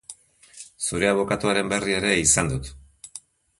Zure abokatuaren berri ere izan dut.